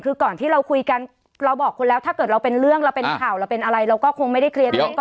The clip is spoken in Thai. แล้วก็จะคุยกันไก่เขี่ยเรื่องรถภายในสิ้นเดือน